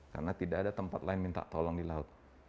karena tidak ada tempat lain minta tolong di laut